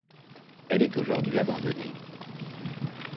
Elle est aujourd'hui abandonnée.